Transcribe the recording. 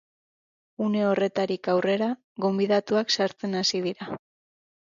Une horretarik aurrera, gonbidatuak sartzen hasi dira.